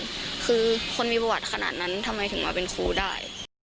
คือคนมีประวัติขนาดนั้นทำไมถึงมาเป็นครูได้